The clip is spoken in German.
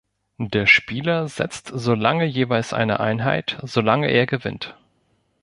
Der Spieler setzt solange jeweils eine Einheit, solange er gewinnt.